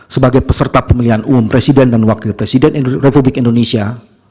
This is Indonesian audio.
sebagai peserta pemilihan umum presiden dan wakil presiden republik indonesia